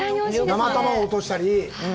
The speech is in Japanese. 生卵、落としたり。